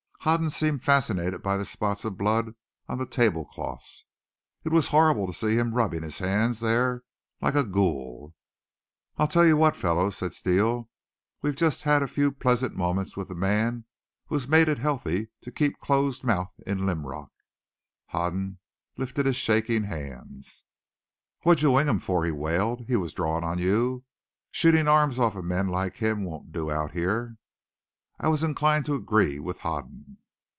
Hoden seemed fascinated by the spots of blood on the table cloths. It was horrible to see him rubbing his hands there like a ghoul! "I tell you what, fellows," said Steele, "we've just had a few pleasant moments with the man who has made it healthy to keep close mouthed in Linrock." Hoden lifted his shaking hands. "What'd you wing him for?" he wailed. "He was drawin' on you. Shootin' arms off men like him won't do out here." I was inclined to agree with Hoden.